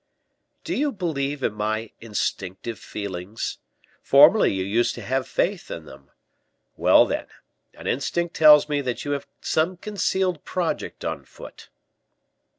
"Do you believe in my instinctive feelings? Formerly you used to have faith in them. Well, then, an instinct tells me that you have some concealed project on foot."